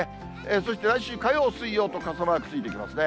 そして来週火曜、水曜と傘マークついてきますね。